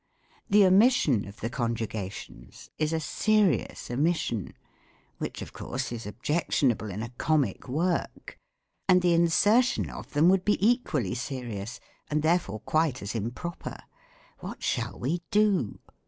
The omission of the conjuga tions is a serious omission — which, of course, is objec tionable in a comic work — and the insertion of them would be equally serious, and therefore quite as im proper. What shall we do